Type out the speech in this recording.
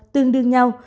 tương đương nhau